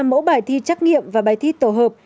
năm mẫu bài thi trắc nghiệm và bài thi tổ hợp